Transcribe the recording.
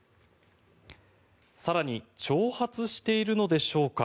更に挑発しているのでしょうか。